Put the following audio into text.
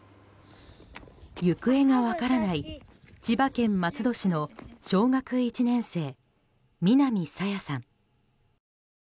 行方が分からない千葉県松戸市の小学１年生、南朝芽さん。